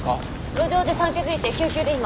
路上で産気づいて救急で今。